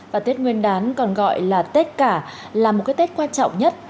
và tết nguyên đán còn gọi là tết cả là một cái tết quan trọng nhất